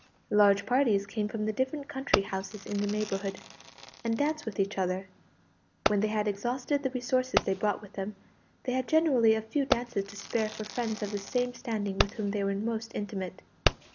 Large parties came from the different country houses in the neighbourhood, and danced with each other. When they had exhausted the resources they brought with them, they had generally a few dances to spare for friends of the same standing with whom they were most intimate.